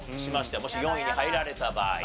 もし４位に入られた場合。